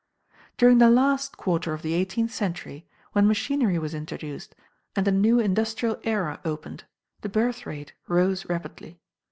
During the last quarter of the eighteenth century, when machinery was introduced and a new industrial era opened, the birth rate rose rapidly.